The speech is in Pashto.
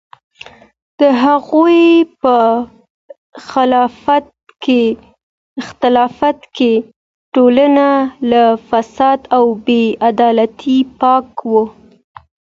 د هغوی په خلافت کې ټولنه له فساد او بې عدالتۍ پاکه وه.